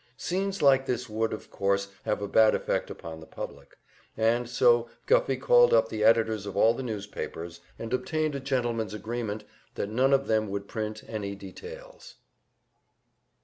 Scenes like this would, of course, have a bad effect upon the public, and so Guffey called up the editors of all the newspapers, and obtained a gentleman's agreement that none of them would print any details.